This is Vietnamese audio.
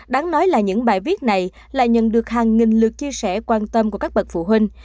đáng nói là những bài viết này lại nhận được hàng nghìn lượt chia sẻ quan tâm của các bậc phụ huynh